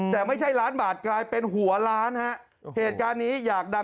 แต่ไม่ใช่ล้านบาทกลายเป็นหัวล้านฮะเหตุการณ์นี้อยากดัง